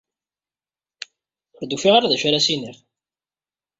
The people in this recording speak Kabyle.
Ur d-ufiɣ ara d acu ara as-iniɣ.